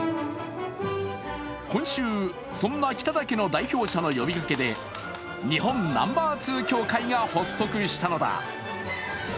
今週、そんな北岳の代表者の呼びかけで日本ナンバー２協会が発足したのだ。